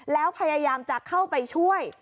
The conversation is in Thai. แล้วพยายามจะเข้าไปช่วย